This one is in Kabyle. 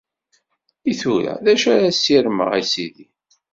I tura, d acu ara ssirmeɣ, a Sidi?